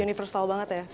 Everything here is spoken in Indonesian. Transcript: universal banget ya